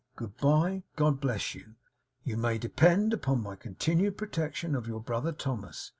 Good bye. God bless you! You may depend upon my continued protection of your brother Thomas.